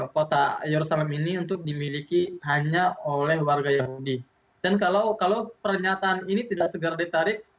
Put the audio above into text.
mereka memiliki pernyataan yang tidak segar di tarik